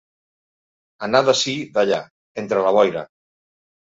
Anar d'ací d'allà, entre la boira.